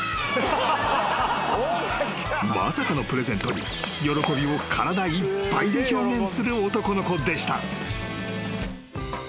［まさかのプレゼントに喜びを体いっぱいで表現する男の子でした］